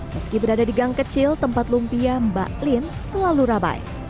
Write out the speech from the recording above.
meski berada di gang kecil tempat lumpia mbak lin selalu ramai